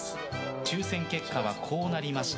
抽選結果はこうなりました。